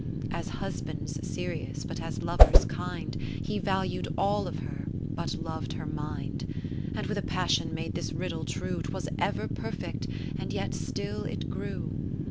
As husbands serious, but as lovers kind, He valu'd all of her, but lov'd her mind ; And with a passion made this riddle true, 'Twas ever perfect, and yet still it grew.